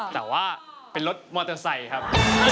แต่ว่าเป็นรถมอเตอร์ไซค์ครับ